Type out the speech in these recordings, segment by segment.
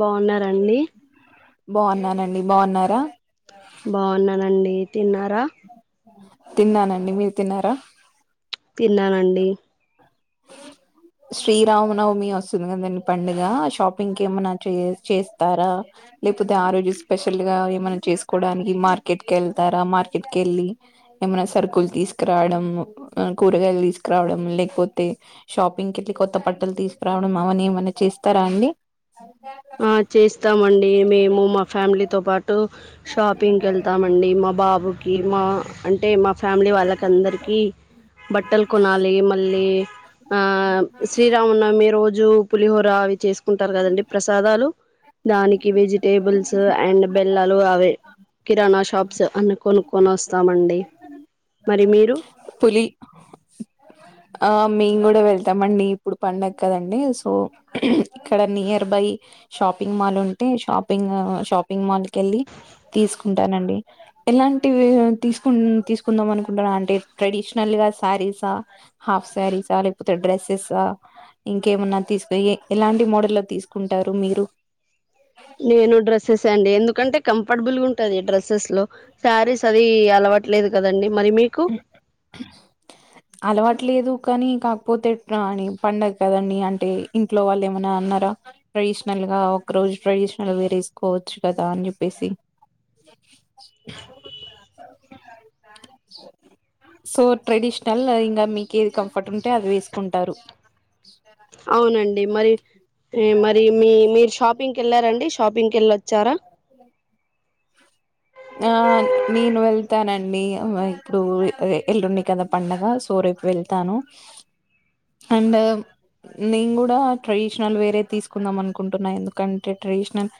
బాగున్నారండి బాగున్నానండి బాగున్నారా బాగున్నానండి తిన్నారా తిన్నానండి మీరు తిన్నారా తిన్నానండి శ్రీరామనవమి వస్తుంది కాదండీ పండుగ షాపింగ్కి ఏమన్నా చే చేస్తారా లేకపోతే ఆ రోజు స్పెషల్ గా ఏమైనా చేసుకోవడానికి మార్కెట్ కి వెళ్తారా మార్కెట్ కి వెళ్ళి ఏమన్నా సరుకులు తీసుకురావడం కూరగాయలు తీసుకురావడం లేకపోతే షాపింగ్ కి ఇట్లా కొత్త బట్టలు తీసుకురావడం అవన్ని ఏమన్నా చేస్తారా అండి ఆ చేస్తామండి మేము మా ఫ్యామిలీతో పాటు షాపింగ్కి వెళ్తామండి మా బాబుకి మా అంటే మా ఫ్యామిలీ వాళ్ళకి అందరికీ బట్టలు కొనాలి మళ్ళీ ఆ శ్రీరామనవమి రోజు పులిహోర అవి చేసుకుంటారు కదండి దానికి వెజిటేబుల్స్ అండ్ బెల్లాలు అవే కిరాణా షాప్స్ అన్ని కొనుక్కొని వస్తామండి మరి మీరు డీ ఆ మేము కూడా వెళ్తామండి ఇప్పుడు పండగ కదండి సో ఇక్కడ నియర్ బై షాపింగ్ మాల్ ఉంటే షాపింగ్ షాపింగ్ మాల్ కీ వెళ్ళి తీసుకుంటానండి ఎలాంటివి తీసుకు తీసుకుందాం అనుకుంటున్నరండి అంటే ట్రెడిషనల్ వా శారీసా హాఫ్ శారీసా లేకపోతే డ్రెస్సెసా ఇంకేమన్నా తీసుకు ఎలాంటి మోడల్ లో తీసుకుంటారు మీరు నేను డ్రస్సెస్ అండి ఎందుకంటే కంఫర్టబుల్ గా ఉంటాది డ్రస్సెస్ లో శారీస్ అది అలవాటు ట్లేదు కదండి మరి మీకు అలవాటు లేదు కానీ కాకపోతే ఎట్లా అని పండగ కదండి అంటే ఇంట్లో వాళ్ళు ఏమన్నా అన్నా ట్రెడిషనల్ గా ఒక రోజు ట్రడిషనల్ వేర్ వేసుకోవచ్చు కదా అని చెప్పేసి సో ట్రెడిష్ నల్ ఇంకా మీకి ఏది కంఫర్ట్ ఉంటే అది వేసుకుంటారు అవునండి మరి మరి మీ మీరు షాపింగ్ కి వెళ్ళారండి షాపింగ్ కి వెళ్ళొచ్చారా ఆన్ నిను వెల్ వెళ్తానండి ఇప్పుడు ఎల్లుండి కదా పండగ సో రేపు వెళ్తాను అండ్ అమ్ నేను కూడా ట్రెడిషనల్ వేరే తీసుకుందాం అనుకుంటున్నా ఎందుకంటే ట్రెడిషనల్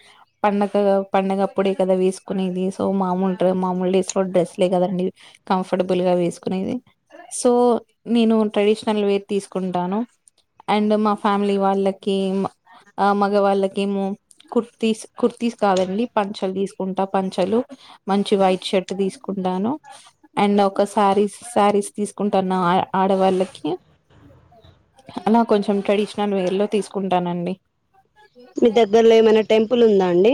పండగ పండుగ అప్పుడే కదా వేసుకునేది సో మామూలుతొ మాముూలు డేస్ లో డ్రెస్ లే కదండి కంఫర్టబుల్ గా వేసుకునేది సో నేను ట్రెడిషనల్ వేర్ తీసుకుంటాను అండ్ మా ఫ్యామిలీ వాళ్ళకి ఆ మగవాళ్ళకేమో కుర్తీస్ కుర్తీస్ కాదండి పంచలు తీసుకుంటా పంచలు మంచిగా వైట్ షర్ట్ తీసుకుంటాను అండ్ ఒక శారీస్ శారీస్ తీసుకుంటాన్న ఆ ఆడవాళ్ళకి అ అలా కొంచెం ట్రెడిషనల్ వేర్ లో తీసుకుంటానండి మీ దగ్గరలో ఏమన్నా టెంపుల్ ఉందా అండి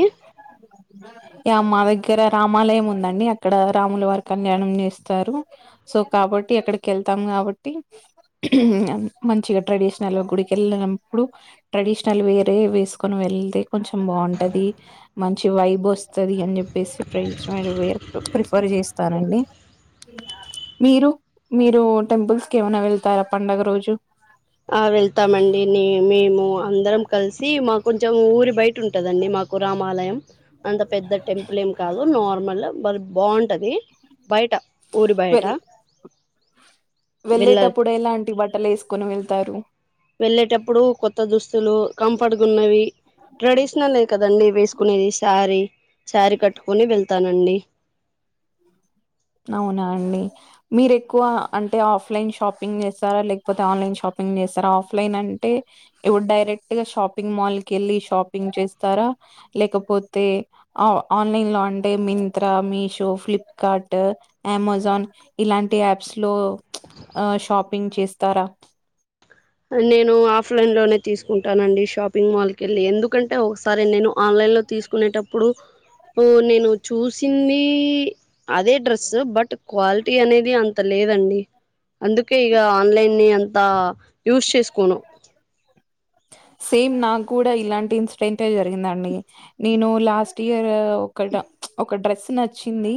ఆ మా దగ్గర రామాలయం ఉందండి అక్కడ రాముల వారి కళ్యాణం చేస్తారు సో కాబట్టి ట్టి అక్కడికి వెళ్తాం కాబట్టి మంచిగా ట్రెడిషనల్ గా గుడికెళ్ళినప్పుడు ట్రెడిషనల్ వేరే వేసుకొని వే వెళ్తే కొంచెం బాగుంటది మంచి వైబ్ వస్తుంది అని చెప్పేసి ట్రై [unintelligible] ప్రిఫర్ చేస్తానండి మీరు మీరు టెంపుల్స్ కి ఏమనా వెళ్తారా పండగ రోజు ఆ వెళ్తామండి నేను మేము అందరం కలిసి మాకు కొంచెం ఊరి బయట ఉంటదండి మాకు రామాలయం అంత పెద్ద టెంపుల్ కాదు నార్మల్ కానీ బాగుంటది బయట ఉరి వె బయట వెళ్ళ వెళ్ళేటప్పుడు ఎలాంటి బట్టలు వేసుకుని వెళ్తారు వెళ్ళేటప్పుడు కొత్త దుస్తువులు కంఫర్ట్గా ఉన్నవి ట్రెడిషనల్వే కదండి వేసుకునేది శారీ శారీ కట్టుకుని వెళ్తానండి అవునా అండి మీరు ఎక్కువ అంటే ఆఫ్లైన్ షాపింగ్ చేస్తారా లేకపోతే ఆన్లైన్ షాపింగ్ పి చేస్తారా ఆఫ్లైన్ అంటే ఇగ డైరెక్ట్ గా షాపింగ్ మాల్ కి వెళ్ళి షాపింగ్ చేస్తారా లేకపోతే ఆన్లైన్ లో అంటే మింత్రా మీషో ఫ్లిప్కార్ట్ అమెజాన్ ఇలాంటి యాప్స్ లో షాపింగ్ చేస్తారా నేను ఆఫ్లైన్ లో నే తీసుకుంటానండి షాపింగ్ మాల్కి వెళ్ళి ఎందుకంటే ఒకసారి నేను ఆన్లైన్లో తీసుకునేటప్పుడు నేను చూసింది అదే డ్రెస్ బట్ క్వాలిటీ అనేది అంత లేద దండి అందుకే ఇక ఆన్లైన్ ని అంతా యూస్ చేసుకోను సేమ్ నాకు కూడా ఇలాంటి ఇన్సిడెంట్ ఏ జరిగిందండి నేను లాస్ట్ ఇయర్ ఒక ఒక డ్రెస్ నచ్చింది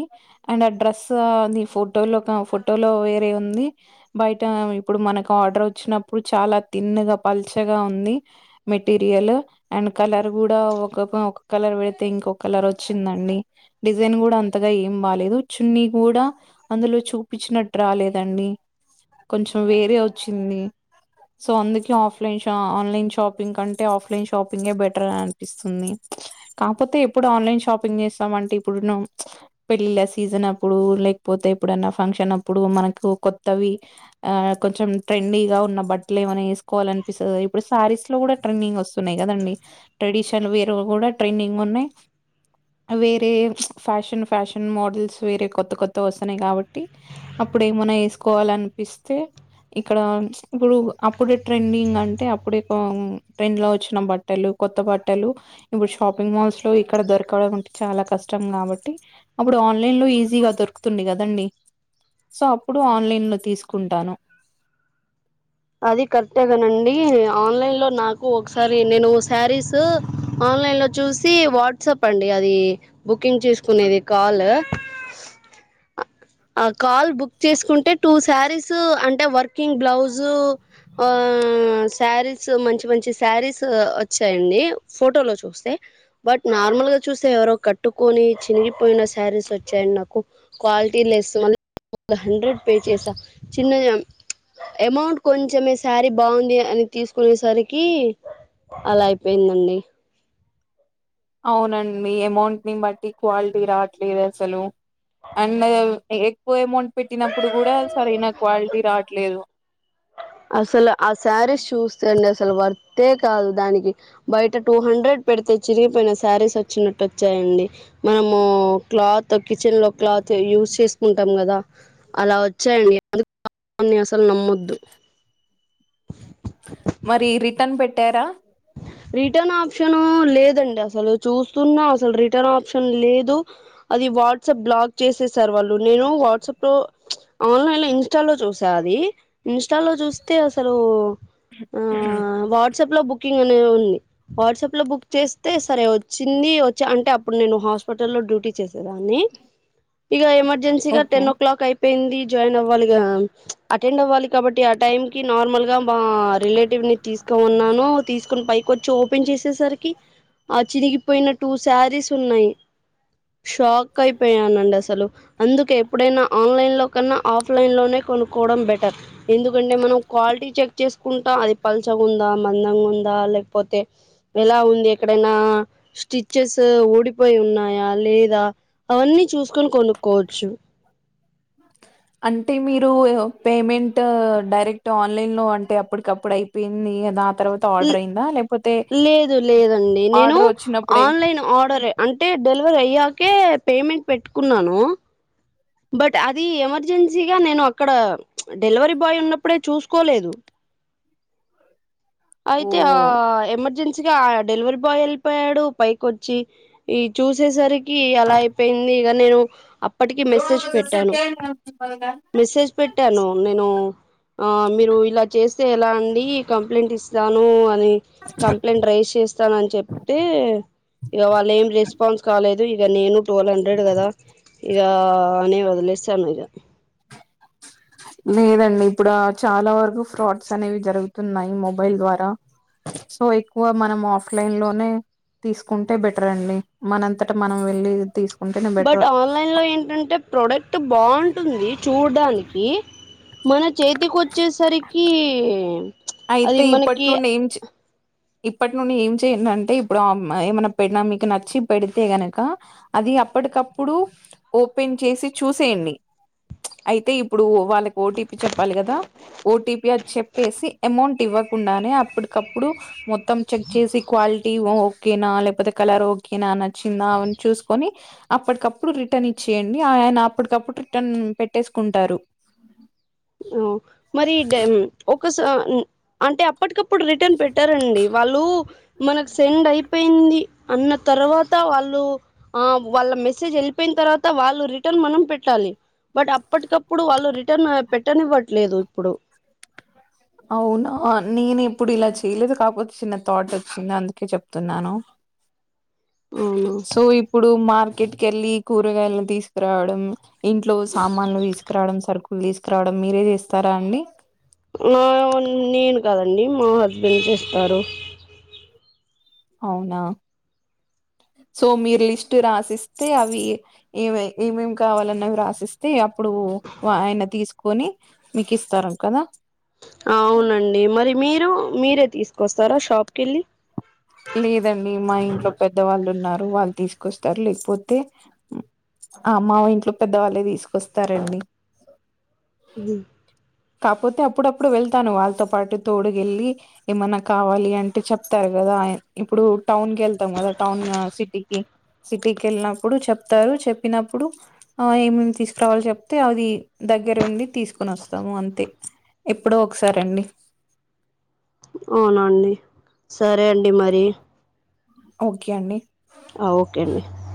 అండ్ ఆ డ్రెస్ నీ ఫోటో లో ఫోటో లో వేరే ఉ ది బయట ఇప్పుడు మనకు ఆర్డర్ వచ్చిన ప్పుడు చాలా తిన్ గా పల్చగా ఉంది మెటీరియల్ అండ్ కలర్ కూడా ఒక ఒక కలర్ పెడితే ఇంకొ కలర్ వచ్చిందండి డిజైన్ కూడా అంతగా ఏం బాలేదు చున్నీ కూడా కూడా అందులో చూపించినట్టు రాలేదండి కొంచెం వేరే వచ్చింది సో అందుకే ఆఫ్లైన్ ష ఆన్లైన్ షాపింగ్ కంటే ఆఫ్లైన్ షాపింగే బెటర్ అని అనిపిస్తుంది కాకపోతే ఎప్పుడు ఆన్లైన్ షాపింగ్ చేస్తామ అంటే ఇప్పుడు పెళ్ళిళ సీజన్ అప్పుడు లేకపోతే ఎప్పుడన్న ఫంక్షన్ అప్పుడు మనకి కొత్తవి కొంచం ట్రెండీ గా ఉన్న బట్టలు వేసుకోవాలి అనిపిస్తాది కదా ఇప్పుడు శారీస్ కూడా ట్రెండింగ్ వస్తున్నాయి కదండి ట్రెడిషన్ వేర్ కూడా ట్రెండింగ్ ఉన్నాయి వేరే ఫ్యాషన్ ఫ్యాషన్ మోడల్స్ వేరే కొత్త కొత్త వస్తున్నాయి కాబట్టి అప్పుడు ఏమన్నా వేసుకోవాల అనిపిస్తే ఇక్కడ ఇప్పుడు అప్పుడు ట్రెండింగ్ అంటే అప్పుడు ట్రెండ్లో వచ్చిన బట్టలు కొత్త బట్టలు ఇప్పుడు షాపింగ్ మాల్స్ లో ఇక్కడ దొరకడం అంటే చాలా కష్టం కాబట్టి అప్పుడు ఆన్లైన్ లో ఈజీగా దొరుకుతుంది కదండి అప్పుడు ఆన్లైన్ లో తీసుకుంటాను అది కరెక్టేగనండి ఆన్లైన్ లో నాకు ఒకసారి నేను శారీస్ ఆన్లైన్ లో చూసి వాట్సాప్ అండి అది బుకింగ్ చేసుకునేది కాల్ కాల్ బుక్ చేసుకుంటే టూ శారీస్ అంటే వర్కింగ్ బ్లౌస్ ఆ శారీస్ మంచి మంచి శారీస్ వచ్చాయండి ఫోటో లో చూస్తే బట్ నార్మల్ గా చూస్తే ఎవరో కట్టుకొని చినిగిపోయిన శారీస్ వచ్చాయి నాకు క్వాలిటీ లెస్ మ ఒక హండ్రెడ్ పే చేసా చిన్న అమౌంట్ కొంచం శారీ బాగుంది అని తీసుకునేసరికి అలా అయిపోయిందండి అవునండి అమౌంట్ ని బట్టి క్వాలిటీ రావట్లేదు అసలు అండ్ ఎక్కువ అమౌంట్ పెట్టినప్పుడు కూడా సరైన క్వాలిటీ రావట్లేదు అసలు ఆ శారీ చూస్తే అండి అసలు వర్తే కాదు దానికి బయట టూ హండ్రెడ్ పెడితే చిరిగిపోయిన శారీస్ వచ్చినట్టు వచ్చాయండి మనము క్లాత్ కిచెన్ లో క్లాత్ యూజ్ చేసుకుంటాం కదా అలా వచ్చాయండి అన్ని అసలు నమ్మొద్దు మరి రిటర్న్ పెట్టారా రిటర్న్ ఆప్షను లేదండి అసలు చూస్తున్నా అసలు రిటర్న్ ఆప్షన్ లేదు అది వాట్సాప్ బ్లాక్ చేసేసారు వాళ్ళు నేను వాట్సాప్ లో ఆన్లైన్ లో ఇన్స్టా లో చూసాను అది ది ఇన్స్టా లో చూస్తే అసలు వాట్సాప్ లో బుక్ అవునవును వాట్సాప్ లో బుక్ చేస్తే సరే వచ్చింది వచ్చి అంటే అప్పు ఇప్పుడు నేను హాస్పిట లో డ్యూటీ చేసేదాన్ని ఇక ఏమ ఎర్జెన్సీగా ఓకే టెన్ ఓ క్లాక్ అయిపోయింది జాయిన్ అవ్వాలి గా అటెండ్ అవ్వాలి కాబట్టి ఆ టైమ్ కి నార్మల్ గా మా రిలేటివ్ ని తీసుకు ఉన్నాను తీసుకొని పైకి వచ్చి ఓపెన్ చేసేసరికి ఆ చిరిగిపోయిన టూ శారీస్ ఉన్నాయి షాక్ అయిపోయానండి అసలు అందుకే ఎప్పుడైనా ఆన్లైన్ లో కన్నా ఆఫ్లైన్ లోనే కొనుక్కోవడం బెటర్ ఎందుకంటే మనం క్వాలిటీ చెక్ చేసుకుంటా అది పల్సగా ఉందా మందంగా ఉంద లేకపోతే ఎలా ఉంది ఎక్కడైనా స్టిచెస్ ఊ డిపోయి ఉన్నాయా లేదా అవన్నీ చూసుకొని కొనుక్కోవచ్చు అంటే మీరు పేమెంట్ డైరెక్ట్ ఆన్లైన్ లో అంటే అప్పటికప్పుడు అయిపోయిందిదా తో ఆర్డర్ అయింద లే లేదు లేదండి నేను వచ్చినప్పుడే ఆన్లైన్ ఆర్డర్ అంటే డెలివరీ అయ్యాకే పేమెంట్ పెట్టుకున్నాను బట్ అది ఎమర్జెన్సీగా నేను అక్కడ డెలివరీ బాయ్ ఉన్నప్పుడే చూసుకోలేదు ఓ అయితే ఆ ఎమర్జెన్స మంచిగా డెలివరీ బాయ్ వెళ్ళిపోయాడు పైకి వచ్చి ఈ చూసేసరికి అలా అయిపోయింది ఇక నేను అప్పటికి మెసేజ్ పెట్టాను మెసేజ్ పెట్టాను నేను ఆ మీరు ఇలా చేస్తే ఎలా అండి కంప్లైంట్ ఇస్తాను కంప్లైంట్ రైజ్ చేస్తానని చెప్తే ఇక వాళ్ళ ఏం రెస్పాన్స్ కాలేదు ఇ ఇ నేను ట్వల్హండ్రెడ్ కదా ఇ అనే వదిలిస్తాను ఇ లేదండి ఇప్పుడ చాలా వరకు ఫ్రాడ్స్ అనేవి జరుగుతున్నాయి మొబైల్ ద్వారా సో ఎక్కువ మనం ఆఫ్లైన్ లోనే తీసుకుంటే బెటర్ అండి మనంతటా మనం వెళ్ళి తీసుకు బట్ ఆన్లైన్ లో ఏంటంటే ప్రొడక్ట్ బాగుంటుంది చూడడానికి మన చేతికి వచ్చేసరికి అది అయితే ఇప్పటి మనకి నుండి ఏం ఇప్పటి నుండి ఏం చెయ్యండి అంటే ఇప్పుడు ఏమన్నా పెడినా మీకు నచ్చి పెడితే గనుక అది అప్పటికప్పుడు ఓపెన్ చేసి చూసేయండి అయితే ఇప్పుడు వాళ్ళకి ఓటీపీ చెప్పాలి కదా ఓటీపీ అది చెప్పేసి అమౌంట్ ఇవ్వకుండానే అప్పటికప్పుడు మొత్తం చెక్ చేసి క్వాలిటీ ఓకేనా లేకపోతే కలర్ ఓకేనా నచ్చిందా అని చూసుకొని అప్పటికప్పుడు రిటర్న్ ఇచ్చి చేయండి ఆయన అప్పటికప్పుడు రిటర్న్ పెట్టేసుకుంటారు మరి ఒకస అంటే అప్పటికప్పు అప్పుడు రిటర్న్ పెట్టారండి వాళ్ళు మనకు సెండ్ అయిపోయింది అన్న తర్వాత వాళ్ళు ఆ వాళ్ళ మెసేజ్ వెళ్ళిపోయిన తరువాత వాళ్ళు రిటర్న్ మనం పెట్టాలి బట్ అప్పటికప్పుడు వాళ్ళు రిటర్న్ పెట్టనివ్వట్లేదు ఇప్పుడు అవునా నేను ఇప్పుడు ఇలా చేయలేదు కాకపోతే చిన్న థాట్ వచ్చింద అందుకే చెప్తున్నాను అవునా సో ఇప్పుడు మార్కెట్ కెళ్ళి కూరగాయలను తీసుకురావడం ఇంట్లో సామాన్లు తీసుకురావడం సరుకులు తీసుకురావడం మీరే చేస్తారా అండి నా నేను కదండి మా హస్బెండ్ చేస్తారు అవునా సో మీరు లిస్ట్ రాసిస్తే ఏవి ఏమేమి కావాలన్నవి రాసిస్తే అప్పుడు ఆయన తీసుకొని మీకిస్తారం కదా అవునండి మరి మీరు మీరే తీసుకొస్తారా షాప్ కెళ్ళి లేదండి మా ఇంట్లో పెద్దవాళ్ళు ఉన్నారు వాళ్ తీసుకొస్తారు లేకపోతే ఆ మా ఇంట్లో పెద్దవాళ్ళే తీసుకొస్తారండి దుం కాపోతే అప్పుడప్పుడు వెళ్తాను వాళ్ళతో పాటు తోడుగ ఎళ్ళి ఏమన్నా కావాలి అంటే చెప్తారు కదా కదా ఇప్పుడు టౌన్ కెళ్తాం కదా టౌన్ సిటీకి సిటీకి వెళ్ళినప్పుడు చెప్తారు చెప్పినప్పుడు ఆ ఏమ తీసుకురావాలో చెప్తే అది దగ్గర ఉండి తీసుకుొని వస్తాము అంతే ఎప్పుడో ఒకసారి అండి అవునా అండి సరే అండి మరి ఓక్కే అండి ఆ ఓకే అండి